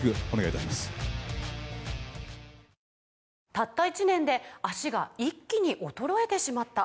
「たった１年で脚が一気に衰えてしまった」